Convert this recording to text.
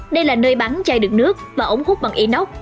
đây là nơi bắn chai đựng nước và ống hút bằng inox